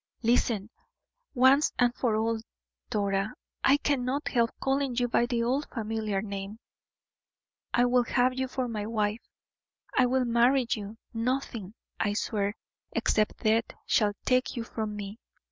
Listen, once and for all. Dora I cannot help calling you by the old familiar name I will have you for my wife: I will marry you; nothing, I swear, except death, shall take you from me.